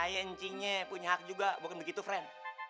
ayah ncingnya punya hak juga bukan begitu fren